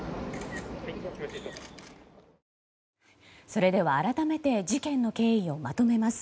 それでは改めて事件の経緯をまとめます。